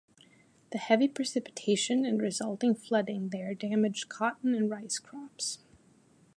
The heavy precipitation and resulting flooding there damaged cotton and rice crops.